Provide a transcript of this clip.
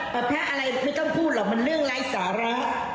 พระอะไรไม่ต้องพูดหรอกมันเรื่องไร้สาระ